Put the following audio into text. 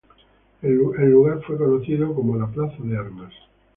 El lugar fue conocido como la "Plaza de Armas".